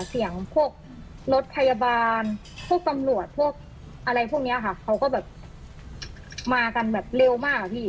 พวกรถพยาบาลพวกตำรวจพวกอะไรพวกเนี้ยค่ะเขาก็แบบมากันแบบเร็วมากอะพี่